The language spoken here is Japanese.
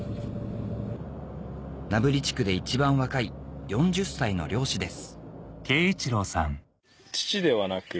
名振地区で一番若い４０歳の漁師です